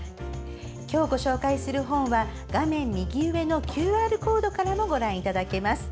今日ご紹介する本は画面右上のＱＲコードからもご覧いただけます。